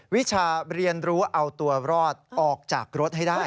วิชาเรียนรู้เอาตัวรอดออกจากรถให้ได้